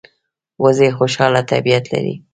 وزې خوشاله طبیعت لري